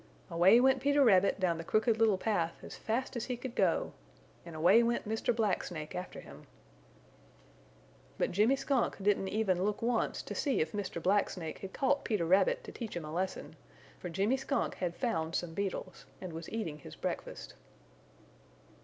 Away went Peter Rabbit down the Crooked Little Path as fast as he could go, and away went Mr. Black Snake after him. But Jimmy Skunk didn't even look once to see if Mr. Black Snake had caught Peter Rabbit to teach him a lesson, for Jimmy Skunk had found some beetles and was eating his breakfast.